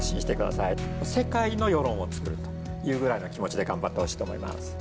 世界の世論をつくるというぐらいな気持ちで頑張ってほしいと思います。